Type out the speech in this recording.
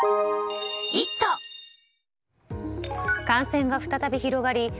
感染が再び広がり